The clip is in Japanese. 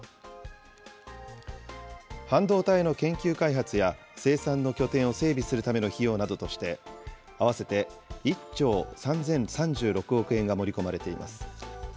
半導体の研究開発や生産の拠点を整備するための費用などとして、合わせて１兆３０３６億円が盛り込まれています。